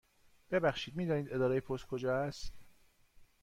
ببخشید، می دانید اداره پست کجا است؟